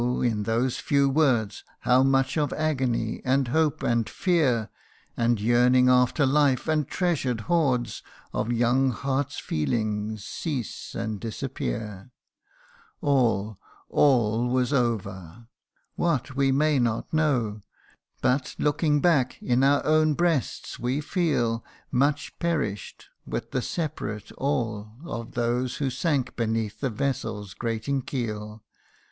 in those few words How much of agony, and hope, and fear, And yearnings after life, and treasured hoards Of young hearts' feelings, cease and disappear ! All all was over ! what, we may not know ; But, looking back, in our own breasts we feel Much perish'd, with the separate all of those Who sank beneath that vessel's grating keel.